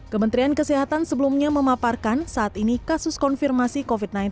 kementerian kesehatan sebelumnya memaparkan saat ini kasus konfirmasi covid sembilan belas